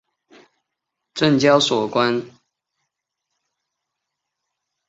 证交所宫是位于法国城市里昂的一座建筑。